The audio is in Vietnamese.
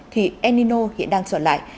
thì el nino hiện đang trở lại